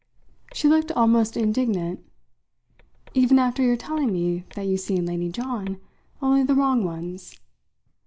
She looked almost indignant. "Even after your telling me that you see in Lady John only the wrong ones?"